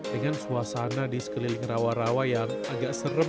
dengan suasana di sekeliling rawa rawa yang agak serem